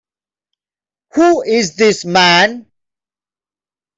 Who is this man?